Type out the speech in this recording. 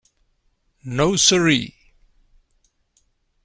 No-sir-ee.